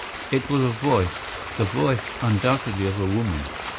It was a voice—the voice undoubtedly of a woman.